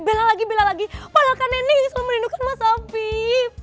bela lagi bela lagi padahal kan nenek selalu melindungi mas afif